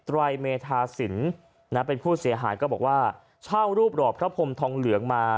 ไตรเมธาศิลทร์นะครับเป็นผู้เสียหายก็บอกว่าเช่ารูปหลอกพระพรมทองเหลืองมา